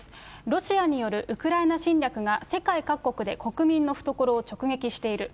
ロシアによるウクライナ侵略が世界各国で国民の懐を直撃しています。